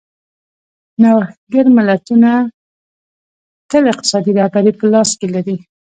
نوښتګر ملتونه تل اقتصادي رهبري په لاس کې لري.